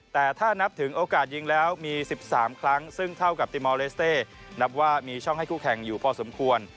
แต่ถ้านับถึงโอกาสยิงแล้วมี๑๓ครั้งซึ่งเท่ากับติมอลเลสเต้นับว่ามีช่องให้คู่แข่งอยู่พอสมควร